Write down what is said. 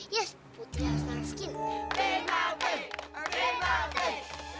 ya putri harus nangis